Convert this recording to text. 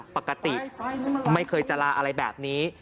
ปกติไม่เคยจะลาอะไรแบบนี้